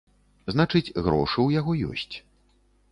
Значыць, грошы ў яго ёсць.